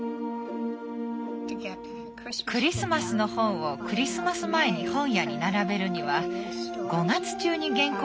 クリスマスの本をクリスマス前に本屋に並べるには５月中に原稿をあげなくちゃならなかったの。